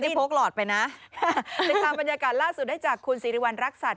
โพกหลอดไปนะติดตามบรรยากาศล่าสุดได้จากคุณสิริวัณรักษัตริย